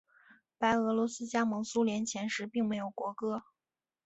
白俄罗斯加盟苏联前时并没有国歌。